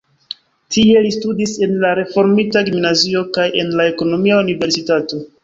Tie li studis en la reformita gimnazio kaj en la ekonomia universitato.